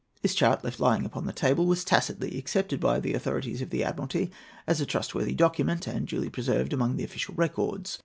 This chart, left lying upon the table, was tacitly accepted by the authorities of the Admiralty as a trustworthy document, and duly preserved among the official records.